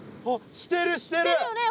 してるしてる！